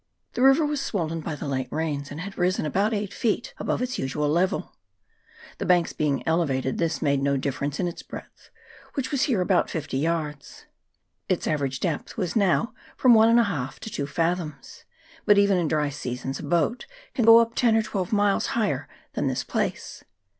The river was swollen by the late rains, and had risen about eight feet above its usual level. The banks being elevated, this made no difference in its breadth, which was here about fifty yards. Its average depth was now from one and a half to two fathoms ; but even in dry seasons a boat can go up ten or twelve miles higher than this place.